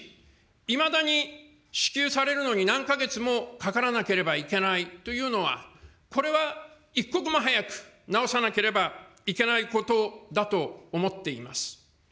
いまだに支給されるのに何か月もかからなければいけないというのは、これは一刻も早く直さなければいけないことだと思っています。